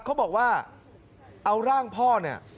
เขาบอกว่าเอาร่างพ่อเนี่ย